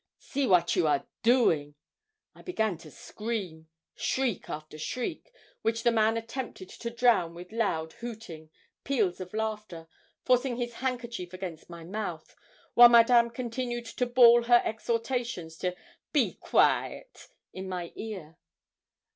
see wat you are doing,' I began to scream, shriek after shriek, which the man attempted to drown with loud hooting, peals of laughter, forcing his handkerchief against my mouth, while Madame continued to bawl her exhortations to 'be quaite' in my ear.